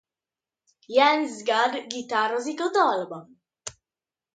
Jens Gad gitározik a dalban.